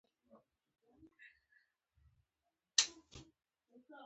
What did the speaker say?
هغې د زړه له کومې د دښته ستاینه هم وکړه.